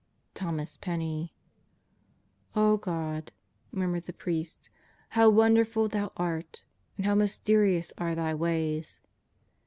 THOMAS PENNEY "0 God," murmured the priest, "how wonderful Thou art! And how mysterious are Thy ways!"